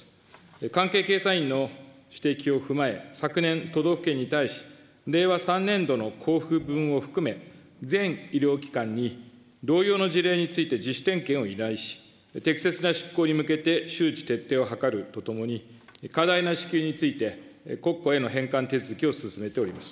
会計検査院の指摘を踏まえ、昨年、都道府県に対し、令和３年度の交付分を含め、全医療機関に同様の事例について自主点検を依頼し、適切な執行に向けて周知徹底を図るとともに、過大な支給について国庫への返還手続きを進めております。